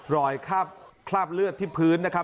คราบเลือดที่พื้นนะครับ